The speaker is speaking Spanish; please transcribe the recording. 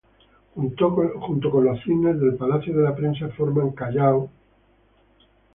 Junto con los cines del Palacio de la Prensa forman Callao City Lights.